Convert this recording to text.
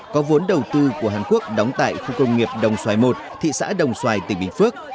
có vốn đầu tư của hàn quốc đóng tại khu công nghiệp đồng xoài i thị xã đồng xoài tỉnh bình phước